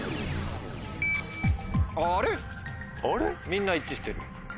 みんな一致してる。